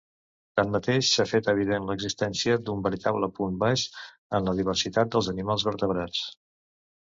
Tanmateix, s’ha fet evident l’existència d’un veritable punt baix en la diversitat dels animals vertebrats.